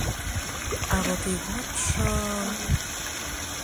А вот ийготшо...